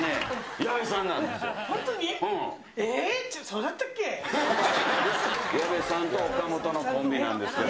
矢部さんとおかもとのコンビなんですけど。